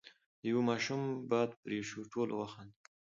، د يوه ماشوم باد پرې شو، ټولو وخندل،